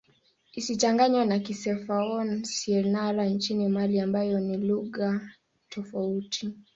Isichanganywe na Kisenoufo-Syenara nchini Mali ambayo ni lugha tofauti.